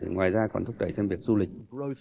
ngoài ra còn thúc đẩy cho việc du lịch